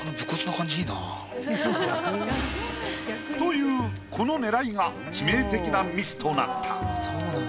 というこのねらいが致命的なミスとなった。